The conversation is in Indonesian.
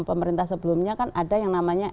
pemerintah sebelumnya kan ada yang namanya